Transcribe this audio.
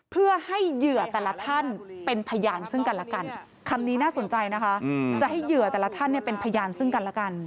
เพื่อให้เหยื่อแต่ละท่านเป็นพยานซึ่งกันแล้วกันคำนี้น่าสนใจนะคะจะให้เหยื่อแต่ละท่านเป็นพยานซึ่งกันแล้วกัน